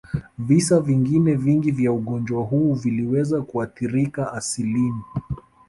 Visa vingine vingi vya ugonjwa huu viliweza kuathirika asilimi